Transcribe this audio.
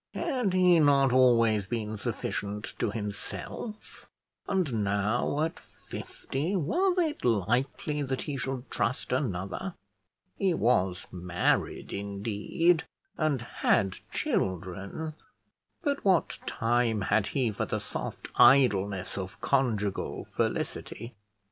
Had he not always been sufficient to himself, and now, at fifty, was it likely that he should trust another? He was married, indeed, and had children, but what time had he for the soft idleness of conjugal felicity?